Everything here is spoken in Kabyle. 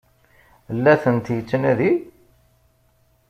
La tent-yettnadi?